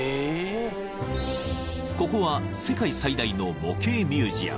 ［ここは世界最大の模型ミュージアム］